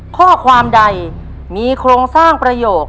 ข้อความใดมีโครงสร้างประโยค